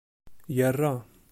Yerra.